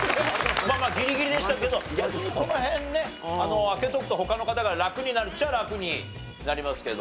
まあまあギリギリでしたけど逆にこの辺ね開けておくと他の方がラクになるっちゃあラクになりますけど。